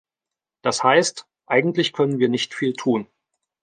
Das heißt, eigentlich können wir nicht viel tun.